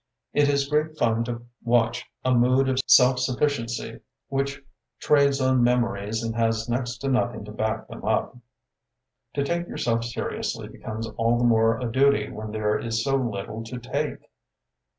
It is great fun to watch a mood of self suf ficiency which trades on memories and has n^ct to nothing to back them up. To take yourself seriously becomes all the more a duty when there is so little to take.